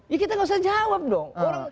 ya kita gak usah jawab dong